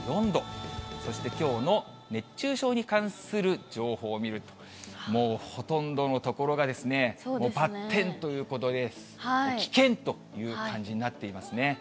そして、きょうの熱中症に関する情報を見ると、もうほとんどの所がバッテンということで、危険という感じになっていますね。